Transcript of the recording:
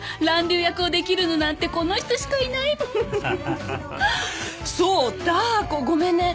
ラン・リウ役をできるのなんてこの人しかいないもん。